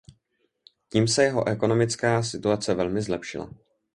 Tím se jeho ekonomická situace velmi zlepšila.